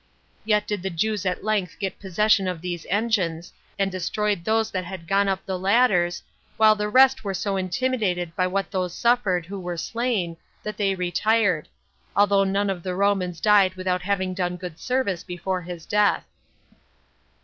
Yet did the Jews at length get possession of these engines, and destroyed those that had gone up the ladders, while the rest were so intimidated by what those suffered who were slain, that they retired; although none of the Romans died without having done good service before his death.